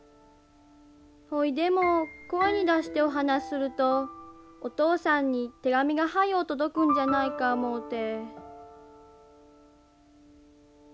ほいでも声に出してお話しするとお父さんに手紙が早う届くんじゃないか思うて。